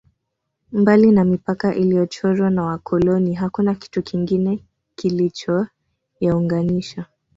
Mbali na mipaka iliyochorwa na wakoloni hakuna kitu kingine kilichoyaunganisha